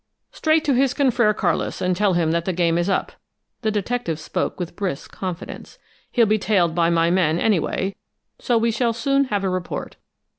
"Straight to his confrère Carlis, and tell him that the game is up." The detective spoke with brisk confidence. "He'll be tailed by my men, anyway, so we shall soon have a report.